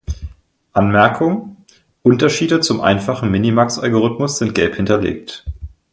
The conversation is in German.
Anmerkung: Unterschiede zum einfachen Minimax-Algorithmus sind gelb hinterlegt.